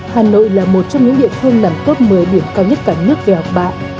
hà nội là một trong những địa phương nằm tốt mới điểm cao nhất cả nước về học bạc